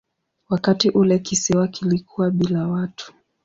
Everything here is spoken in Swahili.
Wakati ule kisiwa kilikuwa bila watu.